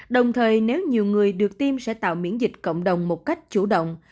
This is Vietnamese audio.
đồng thời nếu nhiều người được tiêm sẽ tạo miễn dịch cộng đồng một cách chủ động